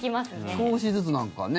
少しずつ、なんかね。